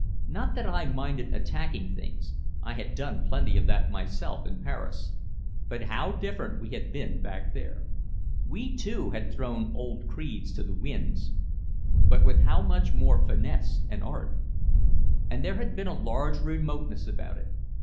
Not that I minded attacking things, I had done plenty of that myself in Paris. But how different we had been back there. We, too, had thrown old creeds to the winds, but with how much more finesse and art. And there had been a large remoteness about it.